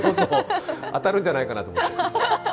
当たるんじゃないかなと思って。